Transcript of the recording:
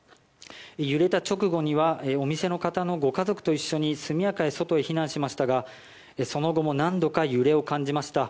揺れた直後にはお店の方のご家族と一緒に速やかに外へ避難しましたがその後も何度か揺れを感じました。